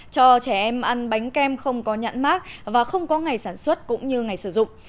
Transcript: cho trẻ em ăn bánh kem không có nhãn mát và không có ngày sản xuất cũng như ngày sử dụng